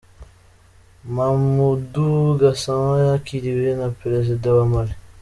Mamoudou Gassama yakiriwe na Perezida wa Mali.